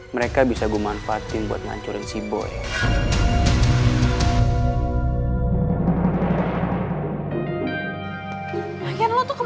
mereka bisa gua manfaatin buat ngancurin si boy